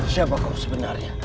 siapa kau sebenarnya